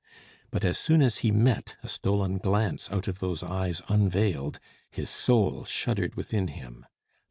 But as soon as he met a stolen glance out of those eyes unveiled, his soul shuddered within him.